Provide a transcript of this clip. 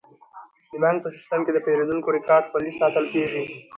د بانک په سیستم کې د پیرودونکو ریکارډ خوندي ساتل کیږي.